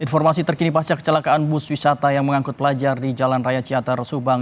informasi terkini pasca kecelakaan bus wisata yang mengangkut pelajar di jalan raya ciater subang